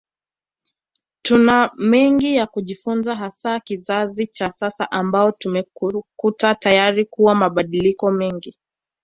Tuna mengi ya kujifunza hasa kizazi cha sasa ambao tumekuta tayari kuna mabadiliko mengi